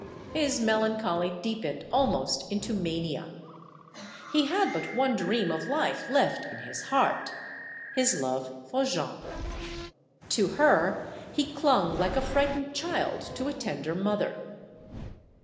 His melancholy deepened almost into mania. He had but one dream of life left in his heart his love for Jeanne. To her he clung like a frightened child to a tender mother.